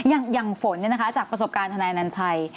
อย่างฝนจากประสบการณ์หนันชัย